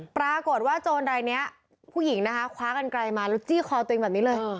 ปรากฏว่าโจรรายนี้ผู้หญิงนะคะคว้ากันไกลมาแล้วจี้คอตัวเองแบบนี้เลย